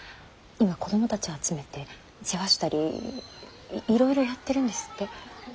今子供たちを集めて世話したりいろいろやってるんですって。